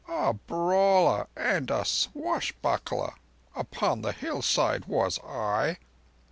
A brawler and a swashbuckler upon the hillsides was I."